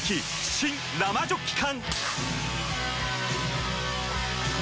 新・生ジョッキ缶！